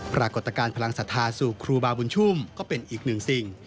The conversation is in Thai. ปรากฏการณ์พลังศรัทธาสู่ครูบาบุญชุ่มก็เป็นอีกหนึ่งสิ่ง